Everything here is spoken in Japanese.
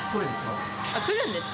あ、来るんですか？